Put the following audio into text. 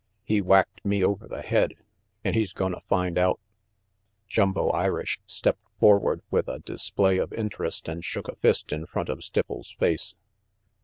"He whacked me over the head, an' he's gonna find out Jumbo Irish stepped forward with a display of interest and shook a fist in front of Stipples' face.